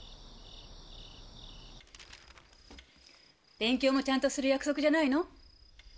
勉強もちゃんとする約束じゃないの？